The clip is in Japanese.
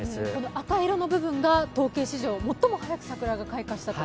赤色の部分が統計史上最も早く桜が開花したと。